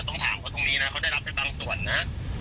ต้องถามเขาตรงนี้นะเขาได้รับไปบางส่วนนะ